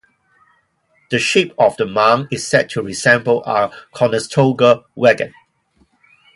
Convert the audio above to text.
The shape of the mound is said to resemble a Conestoga wagon.